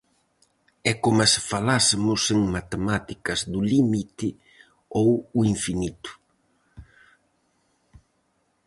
É coma se falásemos en matemáticas do límite ou o infinito.